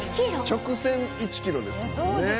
直線１キロですもんね。